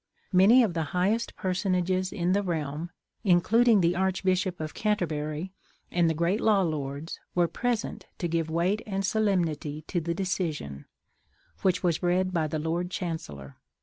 Many of the highest personages in the realm, including the Archbishop of Canterbury and the great law lords, were present to give weight and solemnity to the decision, which was read by the Lord Chancellor.